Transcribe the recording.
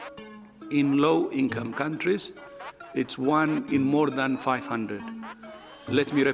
di negara negara yang rendah satu di lebih dari lima ratus